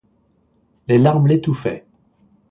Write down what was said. Les larmes l’étouffaient.